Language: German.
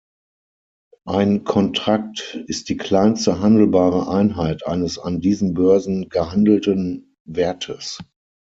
Ein Kontrakt ist die kleinste handelbare Einheit eines an diesen Börsen gehandelten Wertes.